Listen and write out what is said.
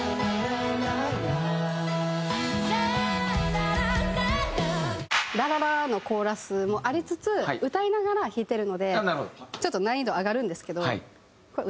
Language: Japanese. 「ラララララー」「ラララ」のコーラスもありつつ歌いながら弾いてるのでちょっと難易度上がるんですけど。